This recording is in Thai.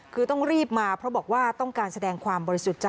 คือต้องรีบมาเพราะบอกว่าต้องการแสดงความบริสุทธิ์ใจ